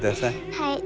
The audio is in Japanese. はい。